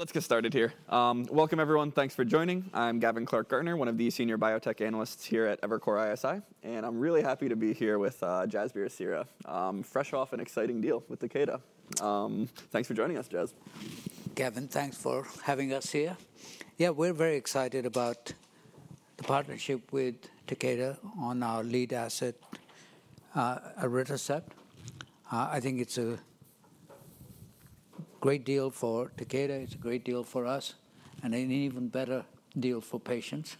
Let's get started here. Welcome, everyone. Thanks for joining. I'm Gavin Clark-Gartner, one of the Senior Biotech Analysts here at Evercore ISI. And I'm really happy to be here with Jasbir Seehra, fresh off an exciting deal with Takeda. Thanks for joining us, Jas. Gavin, thanks for having us here. Yeah, we're very excited about the partnership with Takeda on our lead asset, elritercept. I think it's a great deal for Takeda. It's a great deal for us, and an even better deal for patients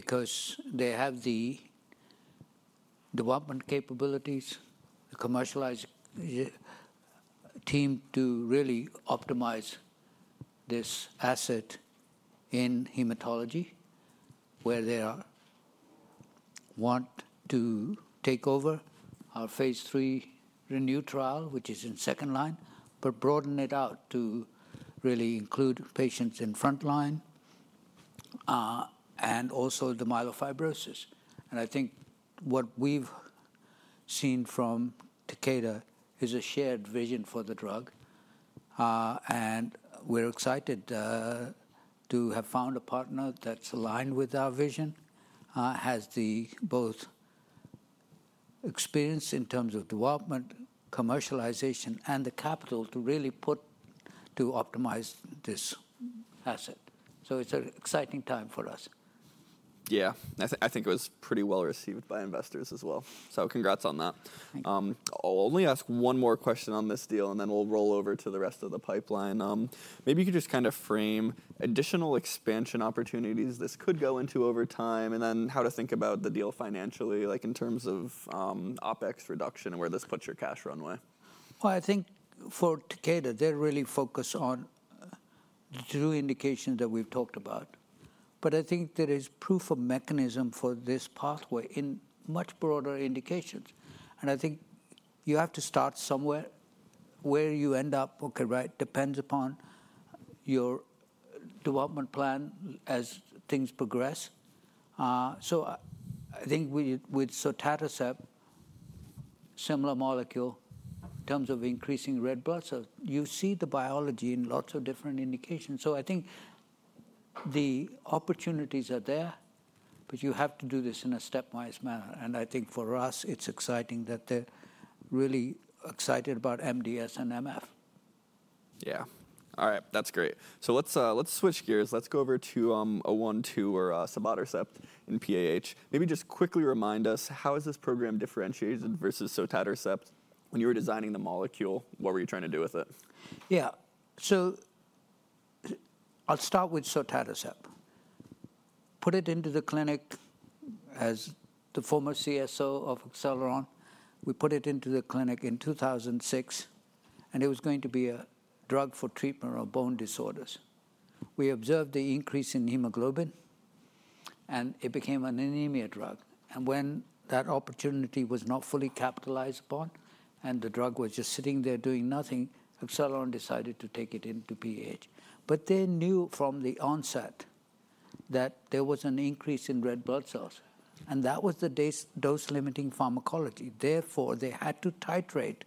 because they have the development capabilities, the commercial team to really optimize this asset in hematology, where they want to take over our Phase III RENEW trial, which is in second line, but broaden it out to really include patients in front line and also the myelofibrosis. And I think what we've seen from Takeda is a shared vision for the drug. And we're excited to have found a partner that's aligned with our vision, has both the experience in terms of development, commercialization, and the capital to really put to optimize this asset. So it's an exciting time for us. Yeah, I think it was pretty well received by investors as well. So congrats on that. I'll only ask one more question on this deal, and then we'll roll over to the rest of the pipeline. Maybe you could just kind of frame additional expansion opportunities this could go into over time, and then how to think about the deal financially, like in terms of OpEx reduction and where this puts your cash runway. Well, I think for Takeda, they're really focused on the two indications that we've talked about. But I think there is proof of mechanism for this pathway in much broader indications. And I think you have to start somewhere where you end up, okay, right, depends upon your development plan as things progress. So I think with sotatercept, similar molecule in terms of increasing red blood cells. You see the biology in lots of different indications. So I think the opportunities are there, but you have to do this in a stepwise manner. And I think for us, it's exciting that they're really excited about MDS and MF. Yeah. All right, that's great. So let's switch gears. Let's go over to KER-012 or cibotercept in PAH. Maybe just quickly remind us, how is this program differentiated versus sotatercept? When you were designing the molecule, what were you trying to do with it? Yeah, so I'll start with sotatercept. Put it into the clinic as the former CSO of Acceleron. We put it into the clinic in 2006, and it was going to be a drug for treatment of bone disorders. We observed the increase in hemoglobin, and it became an anemia drug. When that opportunity was not fully capitalized upon and the drug was just sitting there doing nothing, Acceleron decided to take it into PAH. They knew from the onset that there was an increase in red blood cells. That was the dose-limiting pharmacology. Therefore, they had to titrate,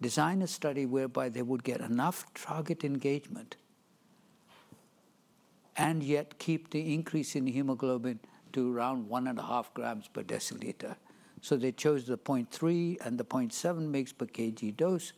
design a study whereby they would get enough target engagement and yet keep the increase in hemoglobin to around 1.5 g per dL. They chose the 0.3 and the 0.7 mg per kg dose.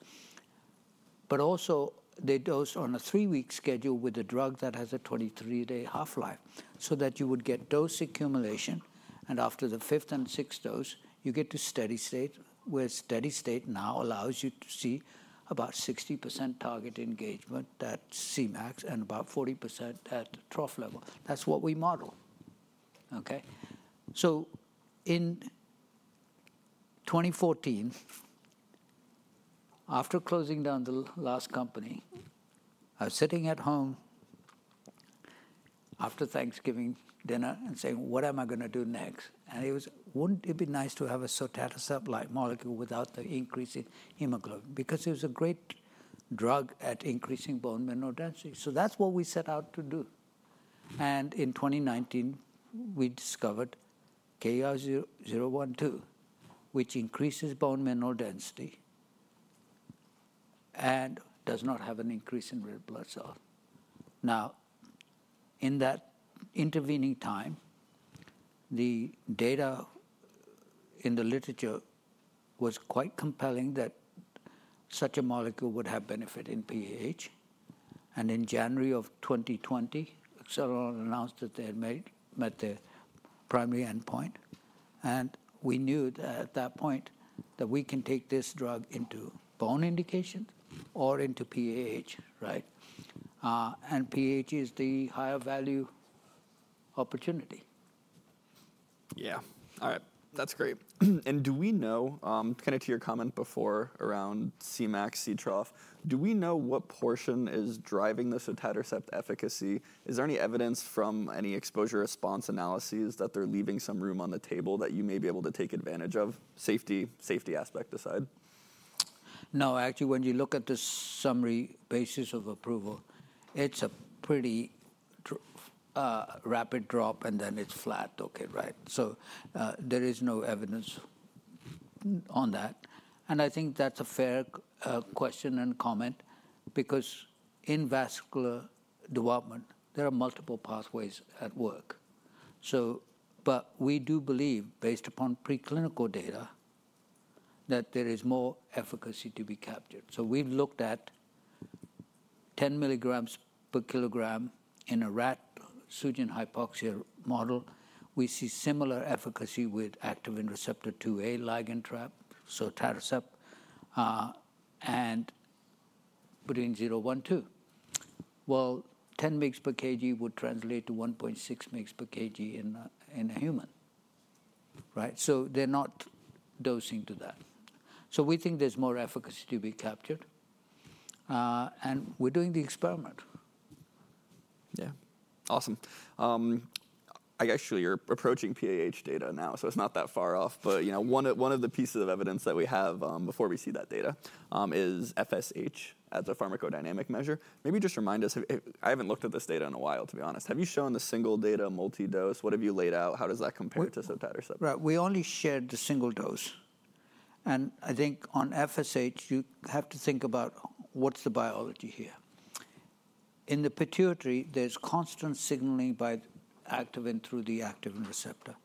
But also, they dose on a three-week schedule with a drug that has a 23-day half-life so that you would get dose accumulation. And after the fifth and sixth dose, you get to steady state, where steady state now allows you to see about 60% target engagement at Cmax and about 40% at trough level. That's what we model. Okay? So in 2014, after closing down the last company, I was sitting at home after Thanksgiving dinner and saying, what am I going to do next? And it was, wouldn't it be nice to have a sotatercept-like molecule without the increase in hemoglobin? Because it was a great drug at increasing bone mineral density. So that's what we set out to do. And in 2019, we discovered KER-012, which increases bone mineral density and does not have an increase in red blood cells. Now, in that intervening time, the data in the literature was quite compelling that such a molecule would have benefit in PAH. And in January of 2020, Acceleron announced that they had met their primary endpoint. And we knew at that point that we can take this drug into bone indications or into PAH, right? And PAH is the higher value opportunity. Yeah. All right. That's great. And do we know, kind of to your comment before around Cmax, Ctrough, do we know what portion is driving the sotatercept efficacy? Is there any evidence from any exposure response analyses that they're leaving some room on the table that you may be able to take advantage of, safety aspect aside? No, actually, when you look at the Summary Basis of Approval, it's a pretty rapid drop, and then it's flat, okay, right? So there is no evidence on that. And I think that's a fair question and comment because in vascular development, there are multiple pathways at work. But we do believe, based upon preclinical data, that there is more efficacy to be captured. So we've looked at 10 mg per kg in a rat pseudohypoxia model. We see similar efficacy with activin receptor IIA ligand trap, sotatercept and between 012. Well, 10 mg per kg would translate to 1.6 mg per kg in a human, right? So we think there's more efficacy to be captured. And we're doing the experiment. Yeah. Awesome. Actually, you're approaching PAH data now, so it's not that far off. But one of the pieces of evidence that we have before we see that data is FSH as a pharmacodynamic measure. Maybe just remind us. I haven't looked at this data in a while, to be honest. Have you shown the single-dose multi-dose? What have you laid out? How does that compare to sotatercept? Right. We only shared the single dose. And I think on FSH, you have to think about what's the biology here. In the pituitary, there's constant signaling by activin through the activin receptor.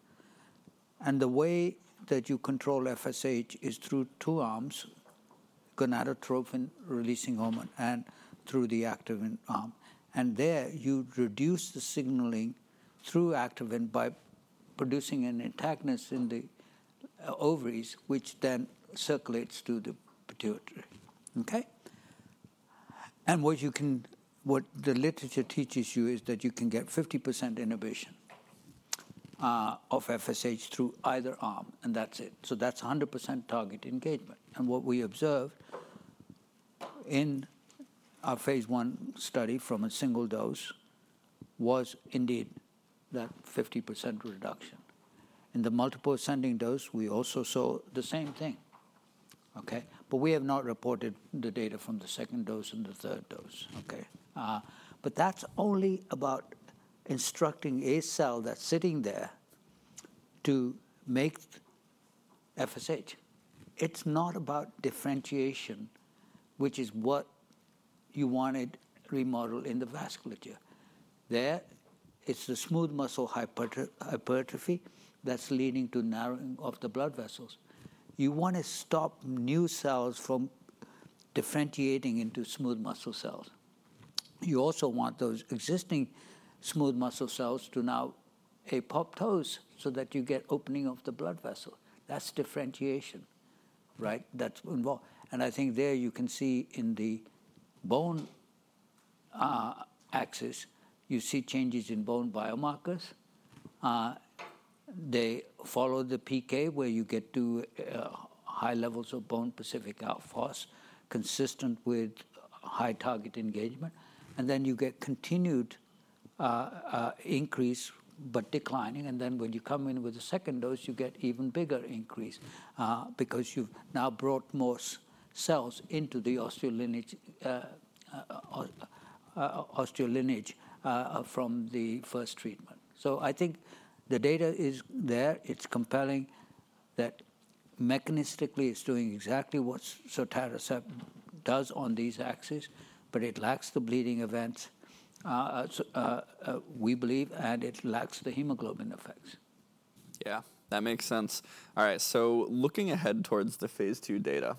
And the way that you control FSH is through two arms, gonadotropin-releasing hormone and through the activin arm. And there, you reduce the signaling through activin by producing an inhibin in the ovaries, which then circulates through the pituitary. Okay? And what the literature teaches you is that you can get 50% inhibition of FSH through either arm, and that's it. So that's 100% target engagement. And what we observed in our Phase I study from a single dose was indeed that 50% reduction. In the multiple ascending dose, we also saw the same thing. Okay? But we have not reported the data from the second dose and the third dose. Okay? But that's only about instructing a cell that's sitting there to make FSH. It's not about differentiation, which is what you wanted remodel in the vasculature. There, it's the smooth muscle hypertrophy that's leading to narrowing of the blood vessels. You want to stop new cells from differentiating into smooth muscle cells. You also want those existing smooth muscle cells to now apoptose so that you get opening of the blood vessel. That's differentiation, right? That's involved. And I think there you can see in the bone axis, you see changes in bone biomarkers. They follow the PK, where you get to high levels of bone-specific alkaline phosphatase consistent with high target engagement. And then you get continued increase, but declining. And then when you come in with the second dose, you get even bigger increase because you've now brought more cells into the osteolineage from the first treatment. So I think the data is there. It's compelling that mechanistically it's doing exactly what sotatercept does on these axes, but it lacks the bleeding events, we believe, and it lacks the hemoglobin effects. Yeah, that makes sense. All right, so looking ahead towards the Phase II data,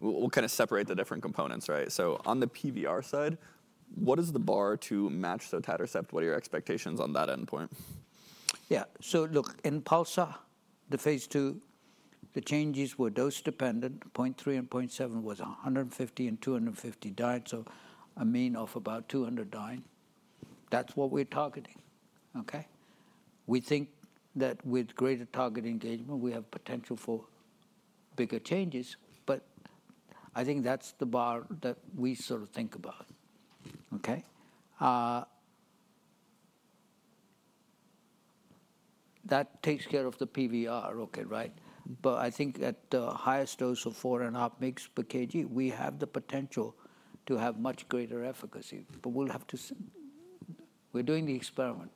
we'll kind of separate the different components, right? So on the PVR side, what is the bar to match sotatercept? What are your expectations on that endpoint? Yeah, so look, in PULSAR, the Phase II, the changes were dose-dependent. 0.3 and 0.7 was 150 and 250 dyne, so a mean of about 200 dyne. That's what we're targeting. Okay? We think that with greater target engagement, we have potential for bigger changes. But I think that's the bar that we sort of think about. Okay? That takes care of the PVR, okay, right? But I think at the highest dose of 4.5 mg per kg, we have the potential to have much greater efficacy. But we're doing the experiment.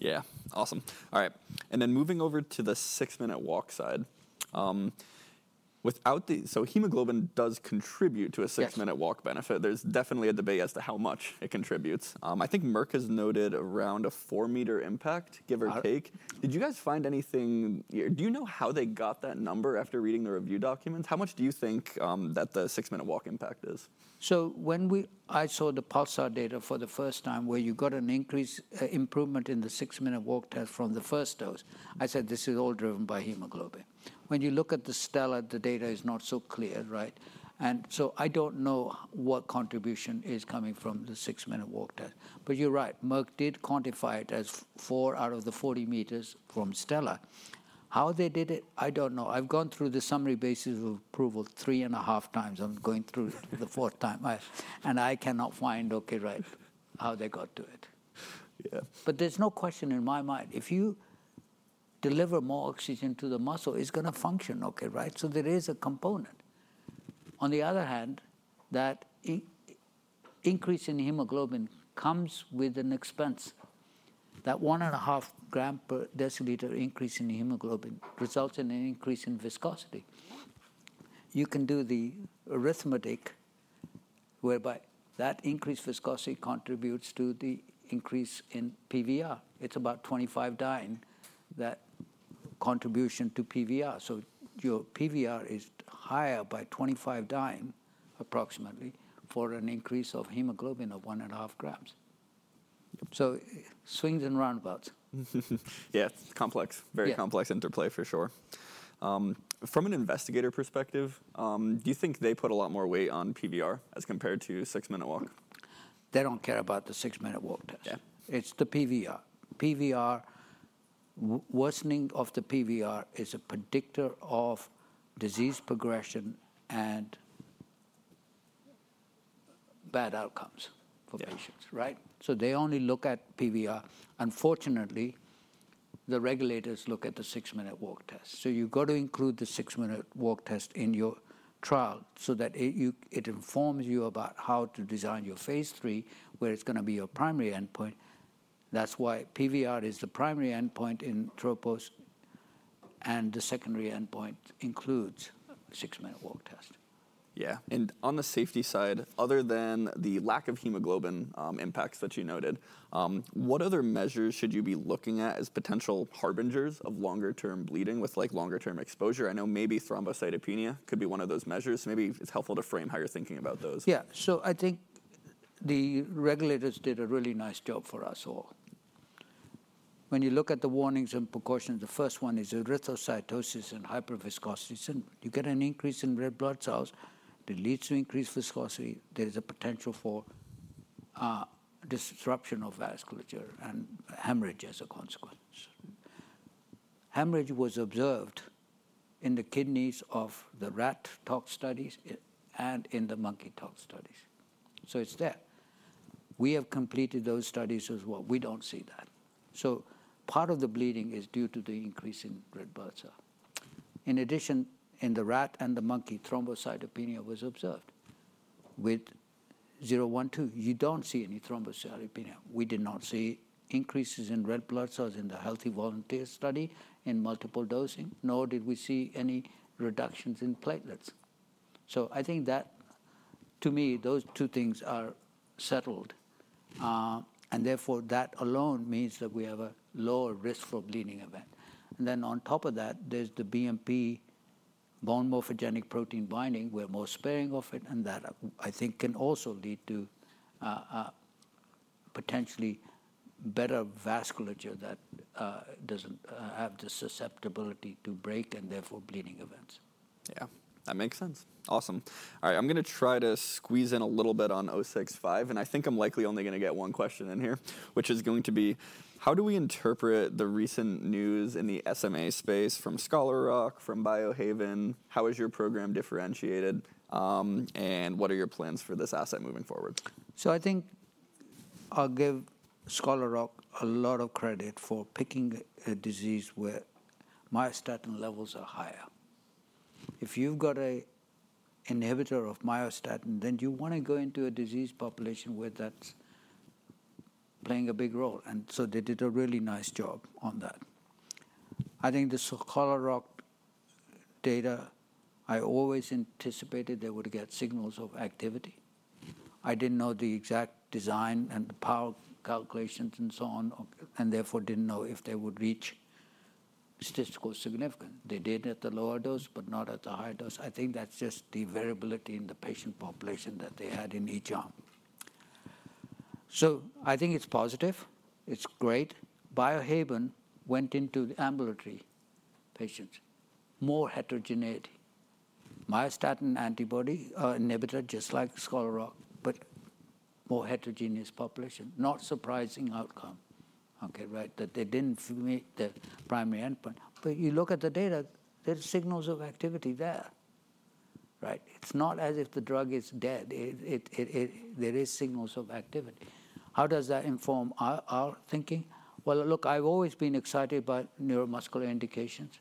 Yeah. Awesome. All right. And then moving over to the 6-minute walk side. So hemoglobin does contribute to a 6-minute walk benefit. There's definitely a debate as to how much it contributes. I think Merck has noted around a 4 m impact, give or take. Did you guys find anything? Do you know how they got that number after reading the review documents? How much do you think that the 6-minute walk impact is? When I saw the PULSAR data for the first time, where you got an increase improvement in the 6-minute walk test from the first dose, I said, this is all driven by hemoglobin. When you look at the STELLAR, the data is not so clear, right? And so I don't know what contribution is coming from the 6-minute walk test. But you're right. Merck did quantify it as four out of the 40 m from STELLAR. How they did it, I don't know. I've gone through the Summary Basis of Approval 3.5x. I'm going through the fourth time. And I cannot find, okay, right, how they got to it. But there's no question in my mind. If you deliver more oxygen to the muscle, it's going to function, okay, right? So there is a component. On the other hand, that increase in hemoglobin comes with an expense. That one and a half gram per deciliter increase in hemoglobin results in an increase in viscosity. You can do the arithmetic whereby that increased viscosity contributes to the increase in PVR. It's about 25 dyne that contribution to PVR. So your PVR is higher by 25 dyne approximately for an increase of hemoglobin of one and a half grams. So swings and roundabouts. Yeah, it's complex, very complex interplay for sure. From an investigator perspective, do you think they put a lot more weight on PVR as compared to 6-minute walk? They don't care about the 6-minute walk test. It's the PVR. Worsening of the PVR is a predictor of disease progression and bad outcomes for patients, right? So they only look at PVR. Unfortunately, the regulators look at the 6-minute walk test. So you've got to include the 6-minute walk test in your trial so that it informs you about how to design your Phase III, where it's going to be your primary endpoint. That's why PVR is the primary endpoint in TROPOS, and the secondary endpoint includes the 6-minute walk test. Yeah. And on the safety side, other than the lack of hemoglobin impacts that you noted, what other measures should you be looking at as potential harbingers of longer-term bleeding with longer-term exposure? I know maybe thrombocytopenia could be one of those measures. Maybe it's helpful to frame how you're thinking about those. Yeah. So I think the regulators did a really nice job for us all. When you look at the warnings and precautions, the first one is erythrocytosis and hyperviscosity. You get an increase in red blood cells. It leads to increased viscosity. There is a potential for disruption of vasculature and hemorrhage as a consequence. Hemorrhage was observed in the kidneys of the rat tox studies and in the monkey tox studies. So it's there. We have completed those studies as well. We don't see that. So part of the bleeding is due to the increase in red blood cells. In addition, in the rat and the monkey, thrombocytopenia was observed with 012. You don't see any thrombocytopenia. We did not see increases in red blood cells in the healthy volunteer study in multiple dosing, nor did we see any reductions in platelets. I think that, to me, those two things are settled. And therefore, that alone means that we have a lower risk for bleeding event. And then on top of that, there's the BMP, bone morphogenetic protein binding, we're more sparing of it. And that, I think, can also lead to potentially better vasculature that doesn't have the susceptibility to break and therefore bleeding events. Yeah. That makes sense. Awesome. All right. I'm going to try to squeeze in a little bit on 065. And I think I'm likely only going to get one question in here, which is going to be, how do we interpret the recent news in the SMA space from Scholar Rock, from Biohaven? How is your program differentiated? And what are your plans for this asset moving forward? So I think I'll give Scholar Rock a lot of credit for picking a disease where myostatin levels are higher. If you've got an inhibitor of myostatin, then you want to go into a disease population where that's playing a big role. And so they did a really nice job on that. I think the Scholar Rock data, I always anticipated they would get signals of activity. I didn't know the exact design and the power calculations and so on, and therefore didn't know if they would reach statistical significance. They did at the lower dose, but not at the higher dose. I think that's just the variability in the patient population that they had in each arm. So I think it's positive. It's great. Biohaven went into the ambulatory patients, more heterogeneity. Myostatin antibody inhibitor, just like Scholar Rock, but more heterogeneous population. Not surprising outcome, okay, right? That they didn't meet the primary endpoint, but you look at the data, there's signals of activity there, right? It's not as if the drug is dead. There are signals of activity. How does that inform our thinking? Well, look, I've always been excited by neuromuscular indications.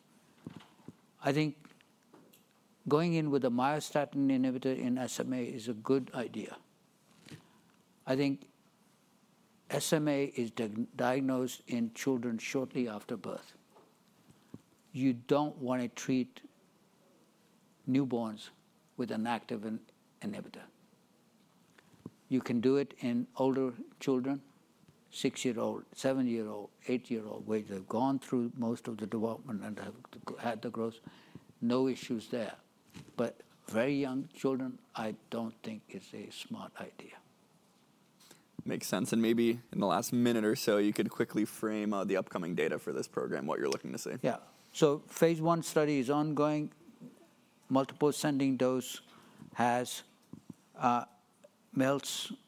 I think going in with a myostatin inhibitor in SMA is a good idea. I think SMA is diagnosed in children shortly after birth. You don't want to treat newborns with an active inhibitor. You can do it in older children, six-year-old, seven-year-old, eight-year-old, where they've gone through most of the development and have had the growth. No issues there, but very young children, I don't think it's a smart idea. Makes sense. And maybe in the last minute or so, you could quickly frame the upcoming data for this program, what you're looking to see. Yeah. So Phase I study is ongoing. Multiple ascending dose has male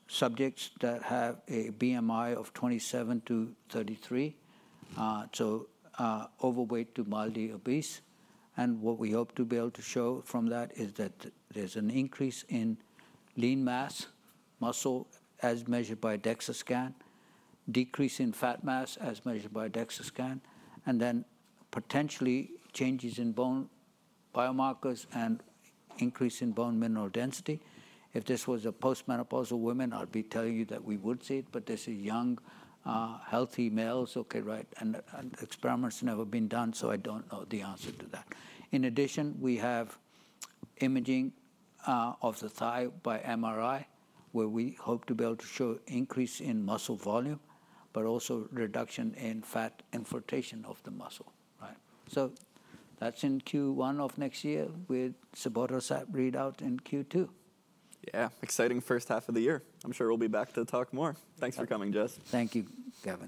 subjects that have a BMI of 27-33, so overweight to mildly obese. And what we hope to be able to show from that is that there's an increase in lean mass muscle as measured by DEXA scan, decrease in fat mass as measured by DEXA scan, and then potentially changes in bone biomarkers and increase in bone mineral density. If this was a postmenopausal woman, I'll be telling you that we would see it, but this is young, healthy males, okay, right? And experiments have never been done, so I don't know the answer to that. In addition, we have imaging of the thigh by MRI, where we hope to be able to show increase in muscle volume, but also reduction in fat infiltration of the muscle, right? So that's in Q1 of next year with cibotercept readout in Q2. Yeah. Exciting first half of the year. I'm sure we'll be back to talk more. Thanks for coming, Jas. Thank you, Gavin.